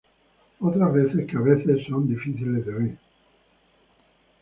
Otras voces que a veces son difíciles de oír.